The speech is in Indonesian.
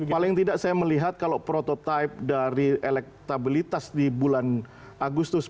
paling tidak saya melihat kalau prototipe dari elektabilitas di bulan agustus